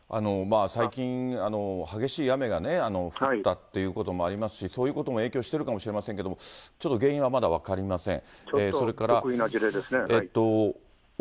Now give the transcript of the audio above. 最近、激しい雨が降ったっていうこともありますし、そういうことも影響してるかもしれませんけれども、ちょっと原因はまだ分かりません。